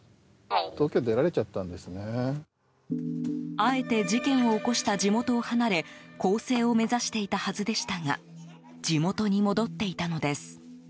あえて事件を起こした地元を離れ更生を目指していたはずでしたが地元に戻っていたのです。